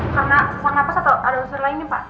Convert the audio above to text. karena susah nafas atau ada usur lainnya pak